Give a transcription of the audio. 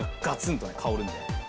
と香るので。